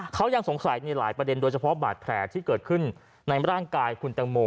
เขายังสงสัยในหลายประเด็นโดยเฉพาะบาดแผลที่เกิดขึ้นในร่างกายคุณตังโม